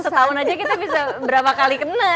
setahun aja kita bisa berapa kali kena